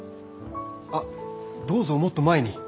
あどうぞもっと前に。